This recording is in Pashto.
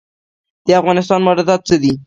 د افغانستان واردات څه دي؟